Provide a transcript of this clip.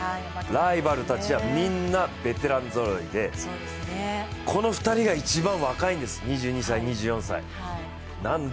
ライバルたちは、みんなベテランぞろいで、この２人が一番若いんです、２２歳、２４歳。